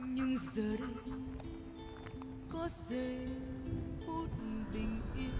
nhưng giờ đây có giây phút bình yên